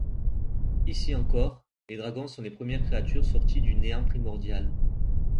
Ici encore, les dragons sont les premières créatures sorties du néant primordial.